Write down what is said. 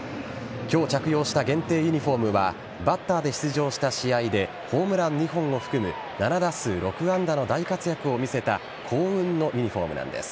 今日着用した限定ユニホームはバッターで出場した試合でホームラン２本を含む７打数６安打の大活躍を見せた幸運のユニホームなんです。